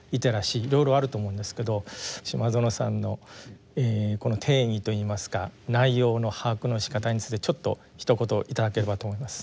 いろいろあると思うんですけど島薗さんの定義と言いますか内容の把握のしかたについてちょっとひと言いただければと思います。